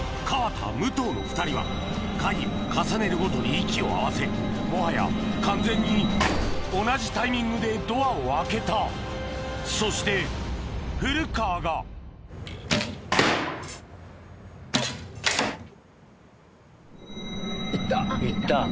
河田武藤の２人は回を重ねるごとに息を合わせもはや完全に同じタイミングでドアを開けたそして古川が行った。